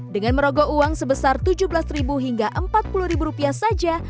dengan merogok uang sebesar rp tujuh belas hingga rp empat puluh saja